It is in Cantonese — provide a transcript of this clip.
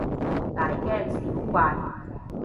大驚小怪